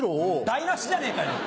台無しじゃねえかよ。